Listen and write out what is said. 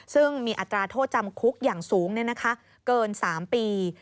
ซึ่งมีอัตราโทษจำคุกอย่างสูงเกิน๓ปี